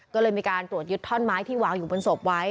ก็เลยมีการตรวจยึดท่อนไม้ที่วางอยู่บนศพไว้